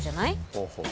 ほうほう。